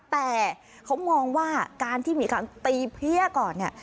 เข้ามองว่าการที่มีการตีเพี้ยก่อนค่ะ